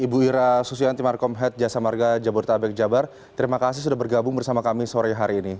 ibu ira susianti markom head jasa marga jabodetabek jabar terima kasih sudah bergabung bersama kami sore hari ini